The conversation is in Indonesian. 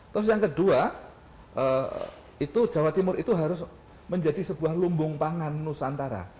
terus yang kedua itu jawa timur itu harus menjadi sebuah lumbung pangan nusantara